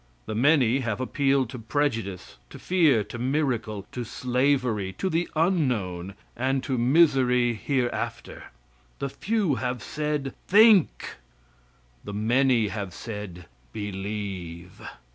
The many have appealed to prejudice, to fear, to miracle, to slavery, to the unknown, and to misery hereafter. The few have said, "Think!" The many have said, "Believe!"